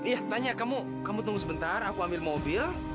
ya tanya kamu tunggu sebentar aku ambil mobil